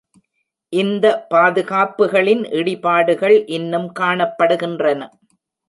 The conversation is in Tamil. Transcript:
இந்த பாதுகாப்புகளின் இடிபாடுகள் இன்னும் காணப்படுகின்றன.